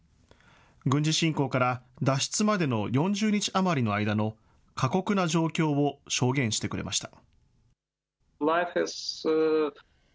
軍事侵攻から脱出までの４０日余りの間の過酷な状況を証言してくれました。